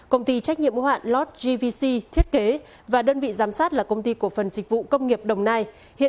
công ty trách nhiệm mũ hạn lod gvc thiết kế và đơn vị giám sát là công ty cổ phần dịch vụ công nghiệp đồng nai